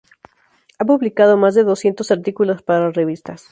Ha publicado más de doscientos artículos para revistas.